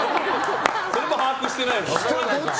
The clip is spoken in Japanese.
それも把握してない。